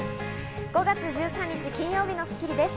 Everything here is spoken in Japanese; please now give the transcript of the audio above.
５月１３日、金曜日の『スッキリ』です。